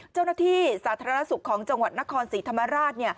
เจ้าหน้าที่สาธารณสุขของจังหวัดนครศรีธรรมราช